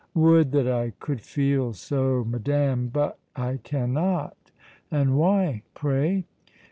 "Would that I could feel so, madame, but I cannot!" "And why, pray?"